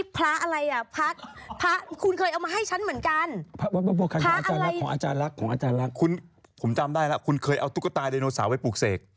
ผมจำได้ละคุณเคยเอาตุ๊กตาดาโนซาไว้ปลูกเสก